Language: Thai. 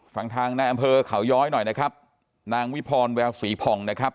ฟังทางในอำเภอเขาย้อยหน่อยนะครับนางวิพรแววศรีผ่องนะครับ